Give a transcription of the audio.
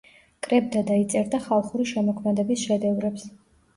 კრებდა და იწერდა ხალხური შემოქმედების შედევრებს.